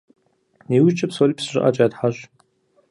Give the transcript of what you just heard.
ИужькӀэ псори псы щӀыӀэкӀэ ятхьэщӀ.